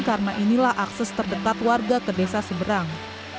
karena inilah akses terdekat warga ke desa sumberlang